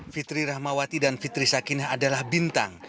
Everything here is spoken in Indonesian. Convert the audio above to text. fitri rahmawati dan fitri sakinah adalah bintang